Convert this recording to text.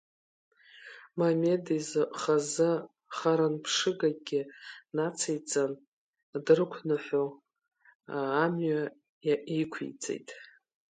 Мемед изы хазы харанарԥшыгакгьы нациҵан, дрықәныҳәо амҩа иқәиҵеит…